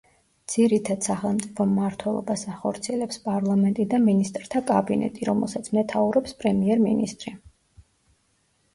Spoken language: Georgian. ძირითად სახელმწიფო მმართველობას ახორციელებს პარლამენტი და მინისტრთა კაბინეტი, რომელსაც მეთაურობს პრემიერ-მინისტრი.